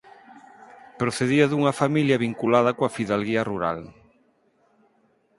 Procedía dunha familia vinculada coa fidalguía rural.